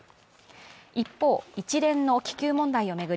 一方、一連の気球問題を巡り